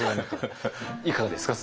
いかがですか？